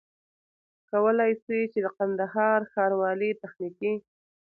کولای سي چي د کندهار ښاروالۍ تخنيکي